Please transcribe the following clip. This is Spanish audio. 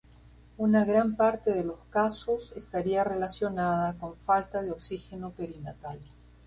Una gran parte de los casos estaría relacionada con falta de oxígeno perinatal.